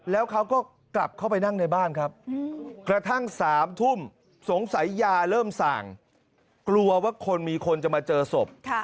แล้วเขาก็กลับเข้าไปนั่งในบ้านครับกระทั่ง๓ทุ่มสงสัยยาเริ่มสั่งกลัวว่าคนมีคนจะมาเจอศพ